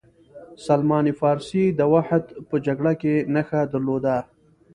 سلمان فارسي داوحد په جګړه کې نښه درلوده.